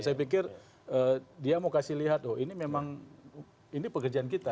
saya pikir dia mau kasih lihat loh ini memang ini pekerjaan kita